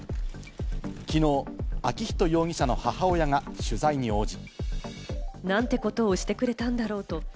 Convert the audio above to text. きのう、昭仁容疑者の母親が取材に応じ。